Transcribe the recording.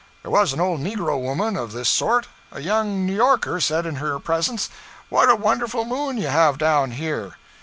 There was an old negro woman of this sort. A young New Yorker said in her presence, "What a wonderful moon you have down here!"